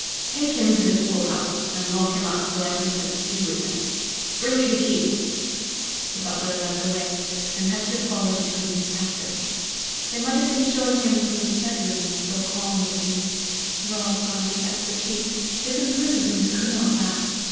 "Take him to the tool house, and lock him up till I think what to do with him. Bring me the key." The butler led the way, and Hector followed between his captors. They might have been showing him to his bed room, so calm was he: Rob gone to fetch the chief, his imprisonment could not last!